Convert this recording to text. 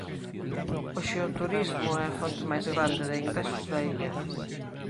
Hoxe o Turismo é a fonte máis grande de ingresos da illa.